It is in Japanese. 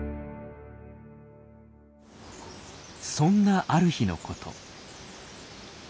そんなある日のこと。